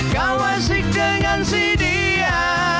kau asik dengan si dia